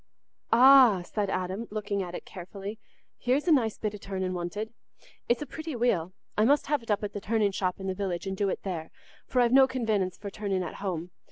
"Ah," said Adam, looking at it carefully, "here's a nice bit o' turning wanted. It's a pretty wheel. I must have it up at the turning shop in the village and do it there, for I've no convenence for turning at home.